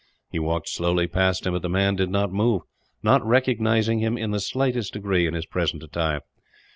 He walked slowly past him, but the man did not move not recognizing him, in the slightest degree, in his present attire.